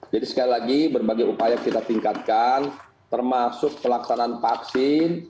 jadi sekali lagi berbagai upaya kita tingkatkan termasuk pelaksanaan vaksin